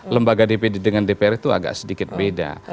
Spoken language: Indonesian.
lembaga dpd dengan dpr itu agak sedikit beda